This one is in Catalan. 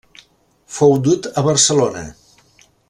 Fou dut a Barcelona.